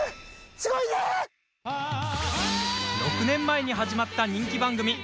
６年前に始まった人気番組